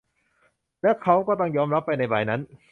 แล้วเค้าก็ต้องยอมรับไปในบ่ายนั้น